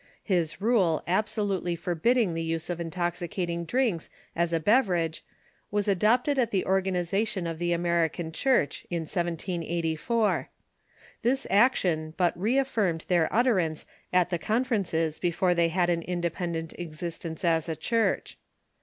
His rule absolutely forbid ding the use of intoxicating drinks as a beverage was adopted at the organization of the American Church in 1784. This action but reaffirmed their utterances at the con ferences before they had an independent existence as a Church.